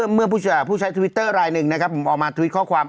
เมื่อผู้ใช้ทวิตเตอร์รายหนึ่งนะครับผมออกมาทวิตข้อความ